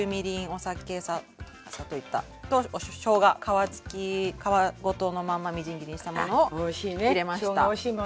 お酒さ砂糖言った。としょうが皮付き皮ごとのままみじん切りにしたものを入れました。